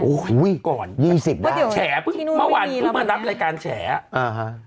โอ้โฮอุ้ย๒๐ได้ว่าเดี๋ยวแชร์พึ่งเมื่อวันพี่มารับรายการแชร์